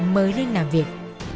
mới lên làm việc